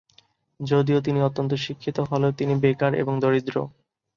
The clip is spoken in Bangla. যদিও তিনি অত্যন্ত শিক্ষিত হলেও তিনি বেকার এবং দরিদ্র।